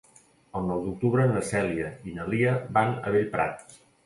El nou d'octubre na Cèlia i na Lia van a Bellprat.